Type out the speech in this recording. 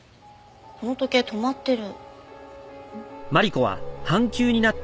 この時計止まってる。